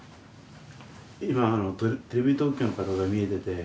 今テレビ東京の方がみえてて。